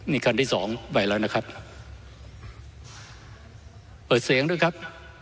นี่คันที่สองไหวแล้วนะครับเปิดเสียงด้วยครับ